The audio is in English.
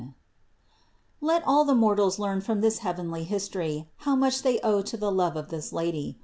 Let all the mortals learn from this heavenly history how much they owe to the love of this Lady.